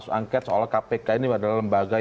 usulan iktp ini juga menarik